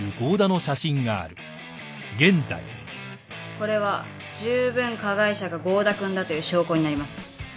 これはじゅうぶん加害者が合田君だという証拠になります。